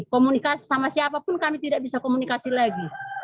komunikasi sama siapapun kami tidak bisa komunikasi lagi